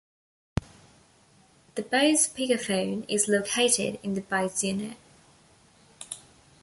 The base speakerphone is located in the base unit.